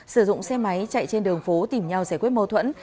sử dụng xe máy chạy trên đường phố tìm nhau giải quyết mâu thuẫn